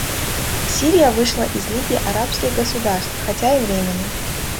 Сирия вышла из Лиги арабских государств, хотя и временно.